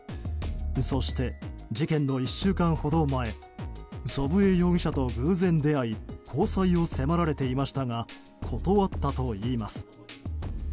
そして、事件の１週間ほど前祖父江容疑者と偶然出会い交際を迫られていましたが断ったといいます。